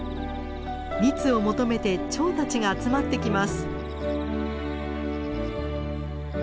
蜜を求めてチョウたちが集まってきます。